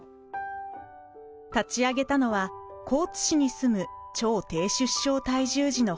立ち上げたのは高知市に住む超低出生体重児の母親です。